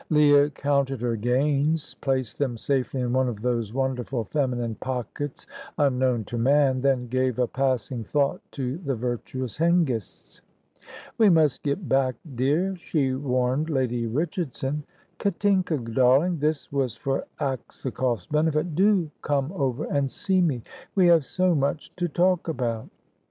Leah counted her gains, placed them safely in one of those wonderful feminine pockets unknown to man, then gave a passing thought to the virtuous Hengists. "We must get back, dear," she warned Lady Richardson. "Katinka, darling" this was for Aksakoff's benefit "do come over and see me. We have so much to talk about."